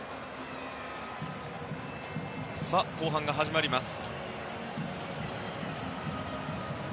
さあ、後半が始まります。